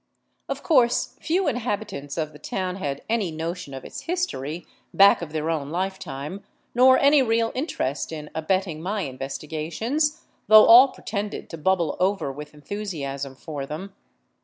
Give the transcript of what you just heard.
Of course few inhabitants of the town had any notion of its history back of their own lifetime, nor any real interest in abetting my in vestigations, though all pretended to bubble over with enthusiasm for them.